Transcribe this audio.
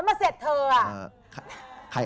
ตัวเจอเสร็จเธอ